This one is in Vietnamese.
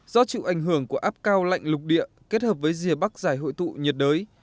do chịu ảnh hưởng của áp cao lạnh lục địa kết hợp với rìa bắc giải hội tụ nhiệt đới